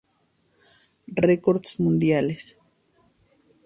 Records Mundiales.